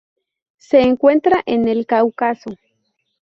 Se encuentra en el Cáucaso.